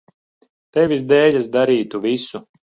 Tevis dēļ es darītu visu.